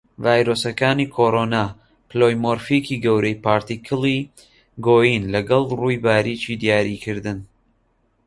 ڤایرۆسەکانی کۆڕۆنا پلۆیمۆرفیکی گەورەی پارتیکڵی گۆیین لەگەڵ ڕووی باریکی دیاریکردن.